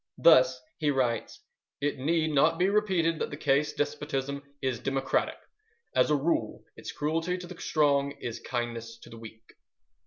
Thus he writes: "It need not be repeated that the case despotism is democratic. As a rule its cruelty to the strong is kindness to the weak."